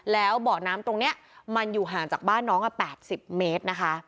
แล้วเบาะน้ำตรงนี้มันอยู่ห่างจากบ้านน้อง๘๐เมตรนะคะ